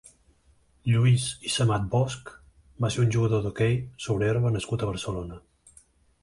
Lluís Ysamat Bosch va ser un jugador d'hoquei sobre herba nascut a Barcelona.